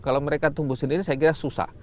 kalau mereka tumbuh sendiri saya kira susah